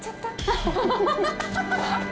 ハハハハ。